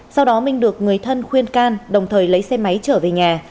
sau đó minh được người thân khuyên can đồng thời lấy xe máy trở về nhà